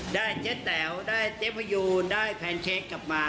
ได้เจ๊แต๋วได้เจ๊พยูได้แพนเชคกลับมา